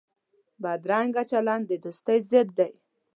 بدرنګه چلند د دوستۍ ضد دی